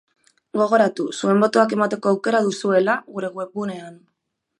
Gogoratu, zuen botoak emateko aukera duzuela gure webgunean.